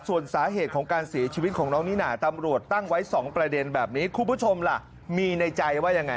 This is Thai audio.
ส่วนสาเหตุของการเสียชีวิตของน้องนิน่าตำรวจตั้งไว้๒ประเด็นแบบนี้คุณผู้ชมล่ะมีในใจว่ายังไง